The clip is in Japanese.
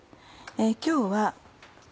今日は。